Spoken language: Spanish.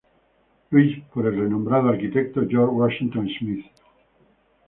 Louis, por el renombrado arquitecto George Washington Smith.